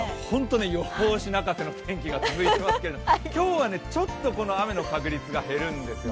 予報士泣かせの天気が続いていますけど今日はちょっとこの雨の確率が減るんですよ。